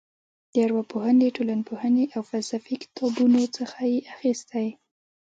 د ارواپوهنې ټولنپوهنې او فلسفې کتابونو څخه یې اخیستې.